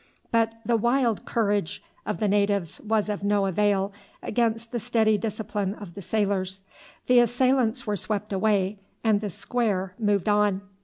But the wild courage of the natives was of no avail against the steady discipline of the sailors. The assailants were swept away, and the square moved on.